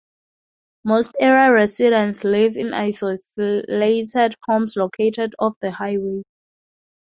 Most area residents live in isolated homes located off the highway.